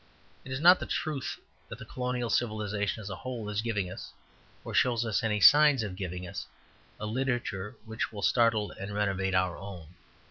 It is not the truth that the colonial civilization as a whole is giving us, or shows any signs of giving us, a literature which will startle and renovate our own.